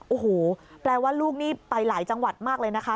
โอ้โหแปลว่าลูกนี่ไปหลายจังหวัดมากเลยนะคะ